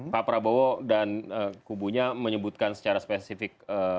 pak prabowo dan kubunya menyebutkan secara spesifik